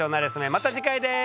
また次回です。